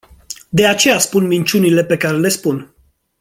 De aceea spun minciunile pe care le spun.